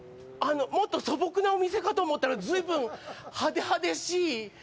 もっと素朴なお店かと思ったら随分、派手派手しい。